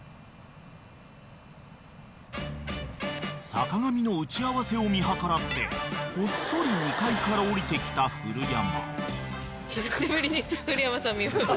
［坂上の打ち合わせを見計らってこっそり２階から下りてきた古山］